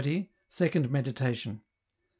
Second Meditation, q.